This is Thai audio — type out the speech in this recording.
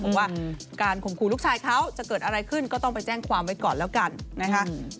บอกว่าการข่มขู่ลูกชายเขาจะเกิดอะไรขึ้นก็ต้องไปแจ้งความไว้ก่อนแล้วกันนะคะ